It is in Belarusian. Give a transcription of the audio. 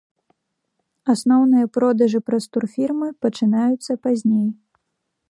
Асноўныя продажы праз турфірмы пачынаюцца пазней.